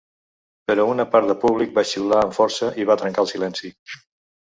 Però una part de públic va xiular amb força i va trencar el silenci.